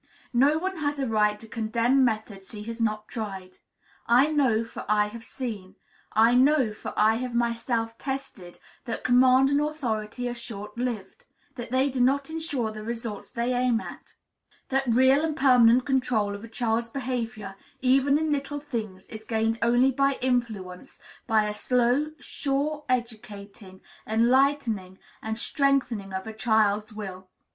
No one has a right to condemn methods he has not tried. I know, for I have seen, I know, for I have myself tested, that command and authority are short lived; that they do not insure the results they aim at; that real and permanent control of a child's behavior, even in little things, is gained only by influence, by a slow, sure educating, enlightening, and strengthening of a child's will.